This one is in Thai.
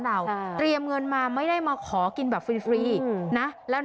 กับความใจดีของเจ้าของร้าน